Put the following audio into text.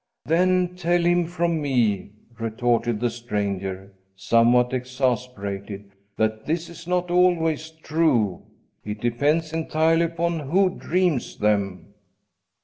"Then tell him from me," retorted the stranger, somewhat exasperated, "that this is not always true. It depends entirely upon who dreams them."